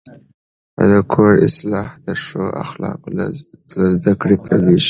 د کور اصلاح د ښو اخلاقو له زده کړې پیلېږي.